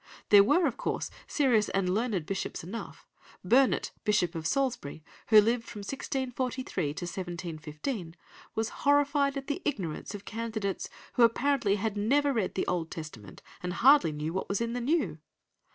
There were, of course, serious and learned bishops enough; Burnet, Bishop of Salisbury, who lived from 1643 to 1715, was horrified at the ignorance of candidates, who apparently had never read the Old Testament and hardly knew what was in the New.